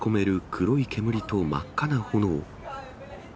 黒い煙と真っ赤な炎。